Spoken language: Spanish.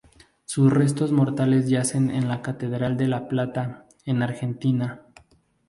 Sus restos mortales yacen en la Catedral de La Plata, en Argentina.